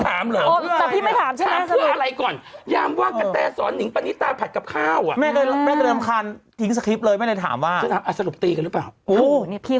พระอาจารย์พระบาทพระสุทธิ์ขอขอบคุณให้เปลี่ยนบัตรบทประชาชนนะ